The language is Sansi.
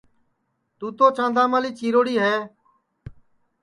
تُوں تو چانداملی چیروڑی ہے